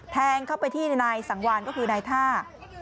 แทงเข้าไปที่นายสังวานก็คือนายท่า